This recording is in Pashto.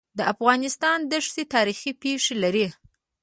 د افغانستان دښتي تاریخي پېښې لري.